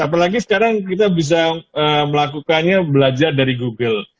apalagi sekarang kita bisa melakukannya belajar dari google